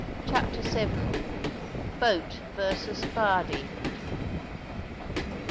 CHAPTER VII. BOAT VERSUS BARDIE.